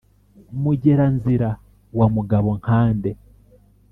mugera-nzira wa mugabo-nkande,